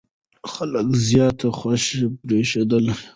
خلک زیات خوښ برېښېدل.